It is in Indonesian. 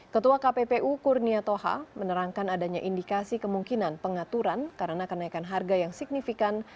ketua kppu kurnia toha menerangkan adanya indikasi kemungkinan pengaturan karena kenaikan harga yang signifikan